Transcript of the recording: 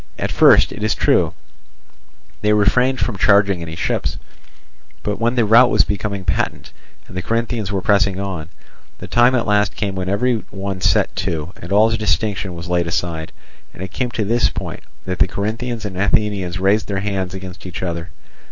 At first, it is true, they refrained from charging any ships; but when the rout was becoming patent, and the Corinthians were pressing on, the time at last came when every one set to, and all distinction was laid aside, and it came to this point, that the Corinthians and Athenians raised their hands against each other.